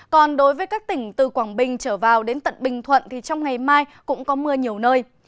còn đối với các tỉnh từ quảng bình trở vào đến tận bình thuận thì trong ngày mai cũng có mưa nhiều nơi